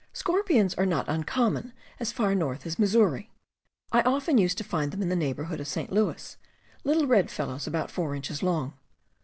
Scorpions are not uncommon as far north as Mis souri. I often used to find them in the neighbor hood of St. Louis — little red fellows corpions. about 4 inches long.